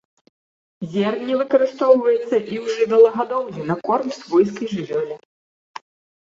Зерне выкарыстоўваецца і ў жывёлагадоўлі на корм свойскай жывёле.